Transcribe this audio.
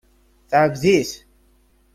Teɛbed-it.